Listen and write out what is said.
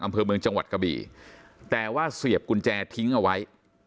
อำเภอเมืองจังหวัดกะบี่แต่ว่าเสียบกุญแจทิ้งเอาไว้